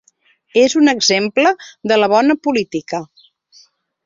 És un exemple de la bona política.